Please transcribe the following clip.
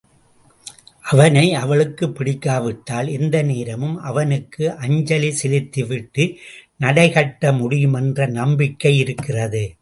அவனை அவளுக்குப் பிடிக்காவிட்டால் எந்த நேரமும் அவனுக்கு அஞ்சலி செலுத்திவிட்டு நடைகட்ட முடியும் என்ற நம்பிக்கை இருக்கிறது.